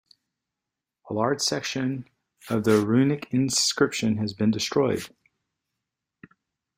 A large section of the runic inscription has been destroyed.